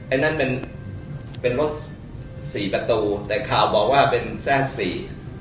อันนั้นเป็นเป็นรถสี่ประตูแต่ข่าวบอกว่าเป็นแทรกสี่